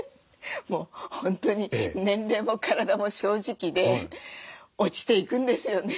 もう本当に年齢も体も正直で落ちていくんですよね。